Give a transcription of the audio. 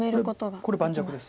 これ盤石です。